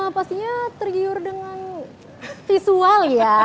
pastinya tergiur dengan visual ya